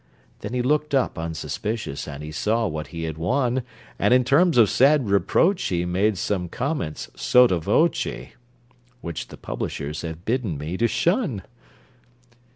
Then he looked up, unsuspicious, And he saw what he had won, And in terms of sad reproach he Made some comments, sotto voce,* * (Which the publishers have bidden me to shun!)